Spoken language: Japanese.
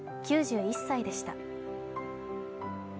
９１歳でした。